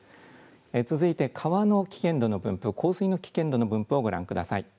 続いて川の危険度の分布、洪水の危険度の分布をご覧ください。